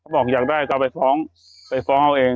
บอกอยากได้ก็เอาไปฟ้องไปฟ้องเอาเอง